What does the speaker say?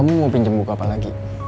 misal kamu mau pinjem buku apa lagi